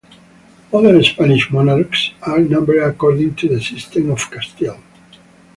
Modern Spanish monarchs are numbered according to the system of Castile.